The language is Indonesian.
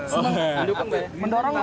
senang mendukung ya